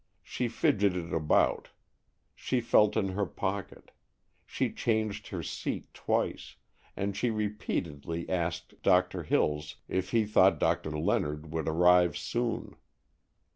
She fidgeted about, she felt in her pocket, she changed her seat twice, and she repeatedly asked Doctor Hills if he thought Doctor Leonard would arrive soon.